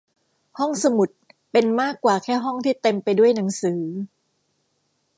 ห้องสมุดเป็นมากกว่าแค่ห้องที่เต็มไปด้วยหนังสือ